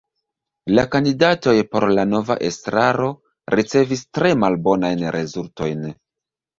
La kandidatoj por la nova estraro ricevis tre malbonajn rezultojn.